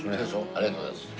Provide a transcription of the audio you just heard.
ありがとうございます。